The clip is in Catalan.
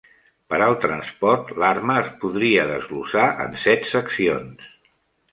Per al transport, l'arma es podria desglossar en set seccions.